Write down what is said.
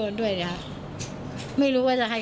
เจออะไรนะนาย